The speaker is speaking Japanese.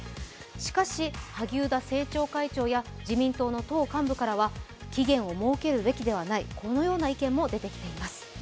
しかし、萩生田政調会長や自民党の党幹部からは期限を設けるべきではない、このような意見も出てきています。